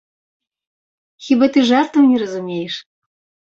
Хіба ты жартаў не разумееш?